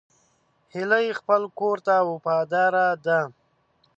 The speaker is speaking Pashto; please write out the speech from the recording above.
هیلۍ خپل کور ته وفاداره ده